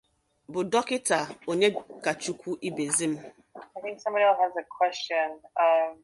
bụ́ Dọkita Onyekachukwu Ibezim